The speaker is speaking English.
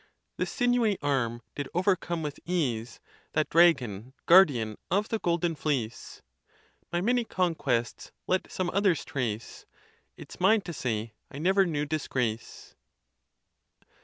73 This sinewy arm did overcome with ease That dragon, guardian of the Golden Fleece. My many conquests let some others trace ; It's mine to say, I never knew disgrace.